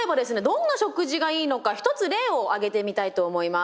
どんな食事がいいのか一つ例を挙げてみたいと思います。